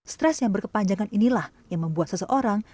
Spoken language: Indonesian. stres yang berkepanjangan inilah yang membuat seseorang